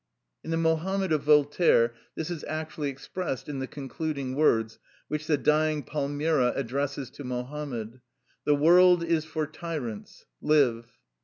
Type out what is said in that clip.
In the "Mohammed" of Voltaire this is actually expressed in the concluding words which the dying Palmira addresses to Mohammad: "The world is for tyrants: live!"